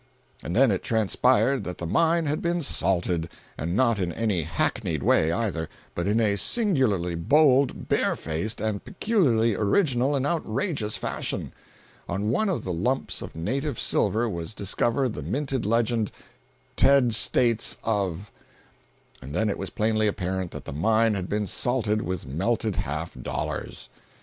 And then it transpired that the mine had been "salted"—and not in any hackneyed way, either, but in a singularly bold, barefaced and peculiarly original and outrageous fashion. On one of the lumps of "native" silver was discovered the minted legend, "TED STATES OF," and then it was plainly apparent that the mine had been "salted" with melted half dollars!